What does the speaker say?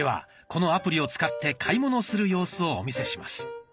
このアプリを使って買い物する様子をお見せします。